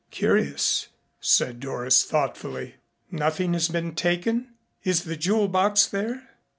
"Curious," said Doris thoughtfully. "Nothing has been taken? Is the jewel box there?"